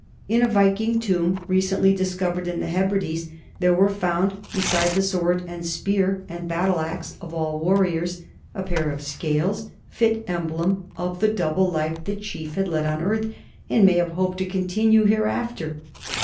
In a Viking tomb recently discovered in the Hebrides there were found be side the sword and spear and battle axe of all warriors, a pair of scales, fit emblem of the double life the chief had led on earth and may have hoped to continue here after!